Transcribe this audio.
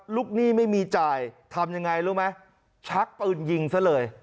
หนี้ไม่มีจ่ายทำยังไงรู้ไหมชักปืนยิงซะเลย